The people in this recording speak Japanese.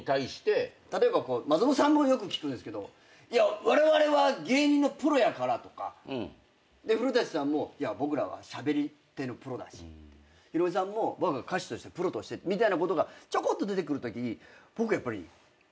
例えば松本さんもよく聞くんですけど「われわれは芸人のプロやから」とか古さんも「僕らはしゃべり手のプロだし」ひろみさんも「僕は歌手としてプロとして」みたいなことがちょこっと出てくるときに。